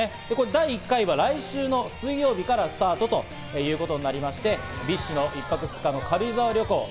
第１回は来週の水曜日からスタートということになりまして、ＢｉＳＨの１泊２日の軽井沢旅行。